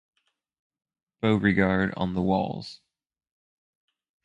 Beauregard on the walls.